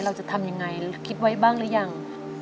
เราจะทำยังไงคิดไว้บ้างหรือยัง